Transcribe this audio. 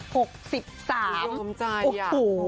ผมร่วมใจอ่ะ